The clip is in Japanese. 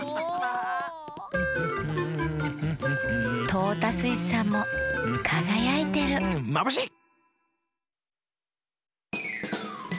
トータスイスさんもかがやいてるまぶしい！